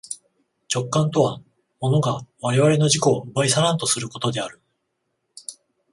直観とは物が我々の自己を奪い去らんとすることである。